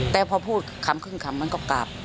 แต่พอพูดคำขึ้นมันก็กลับ